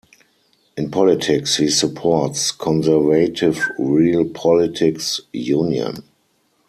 In politics he supports conservative Real Politics Union.